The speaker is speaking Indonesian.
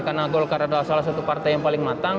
karena golkar adalah salah satu partai yang paling matang